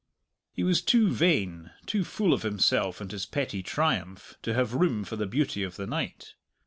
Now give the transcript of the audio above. He was too vain, too full of himself and his petty triumph, to have room for the beauty of the night.